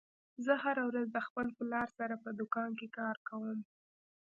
زه هره ورځ د خپل پلار سره په دوکان کې کار کوم